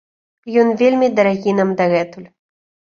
Ён вельмі дарагі нам дагэтуль.